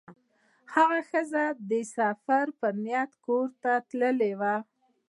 دغه ښځه یې د سفر په نیت له کوره تللې وه.